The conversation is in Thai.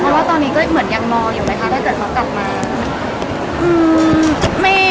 เพราะว่าตอนนี้ก็เหมือนยังมองอยู่ไหมคะถ้าเกิดเขากลับมา